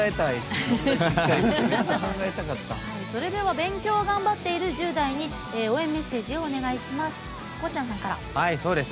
勉強を頑張ってる１０代に応援メッセージをお願いします。